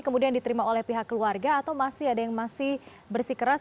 kemudian diterima oleh pihak keluarga atau masih ada yang masih bersikeras